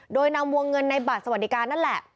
โดยนำวงเงินในบัตรสวัสดิการนั่นแหละ